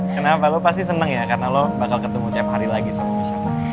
kenapa lo pasti senang ya karena lo bakal ketemu tiap hari lagi sama bisa